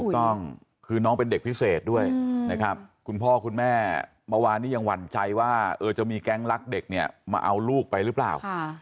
ถูกต้องคือน้องเป็นเด็กพิเศษด้วยนะครับคุณพ่อคุณแม่เมื่อวานนี้ยังหวั่นใจว่าจะมีแก๊งรักเด็กเนี่ยมาเอาลูกไปหรือเปล่า